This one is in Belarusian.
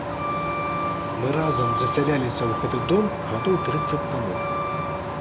Мы разам засяляліся ў гэты дом гадоў трыццаць таму.